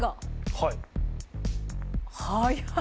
はい。